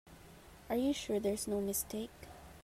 Are you sure there's no mistake?